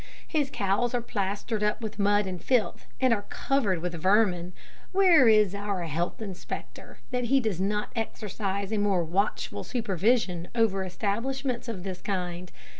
His cows are plastered up with mud and filth, and are covered with vermin. Where is our health inspector, that he does not exercise a more watchful supervision over establishments of this kind?